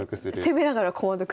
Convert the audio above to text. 攻めながら駒得する。